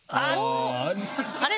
あれ？